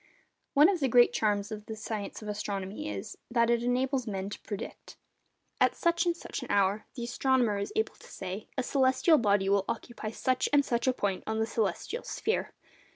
One of the great charms of the science of astronomy is, that it enables men to predict. At such and such an hour, the astronomer is able to say, a celestial body will occupy such and such a point on the celestial sphere.